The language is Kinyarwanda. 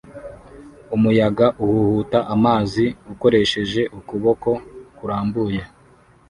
Umuyaga uhuhuta amazi ukoresheje ukuboko kurambuye